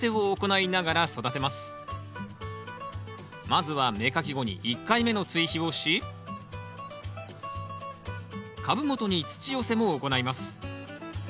まずは芽かき後に１回目の追肥をし株元に土寄せも行います。